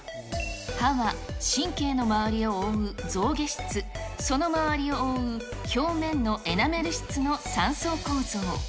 歯は神経の周りを覆う象牙質、その周りを覆う表面のエナメル質の３層構造。